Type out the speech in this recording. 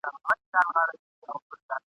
یوازي نوم دی چي پاته کیږي !.